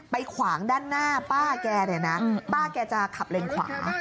ขวางด้านหน้าป้าแกเนี่ยนะป้าแกจะขับเลนขวา